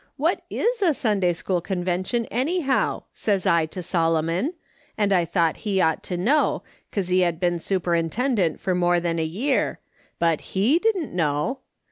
' What is a Sunday school Convention, anyhow ?' says I to Solomon, and I thought he ought to know, 'cause he had been superintendent for more than a year, but A« didn't know.